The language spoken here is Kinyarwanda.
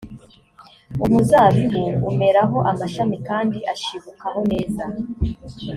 umuzabibu umeraho amashami kandi ushibukaho neza